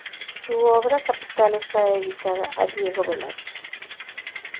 Su obra capital está dedicada a Diego Velazquez.